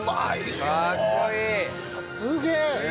すげえ！